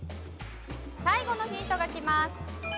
最後のヒントがきます。